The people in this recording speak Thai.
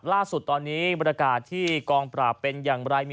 ล่าสุดตอนนี้บรรยากาศที่กองปราบเป็นอย่างไร